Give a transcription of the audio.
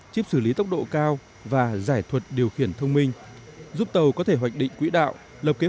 chip xử lý tốc độ cao và giải thuật điều khiển thông minh giúp tàu có thể hoạch định quỹ đạo lập kế